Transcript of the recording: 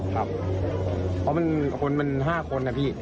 เพราะมันห้าคนครับพี่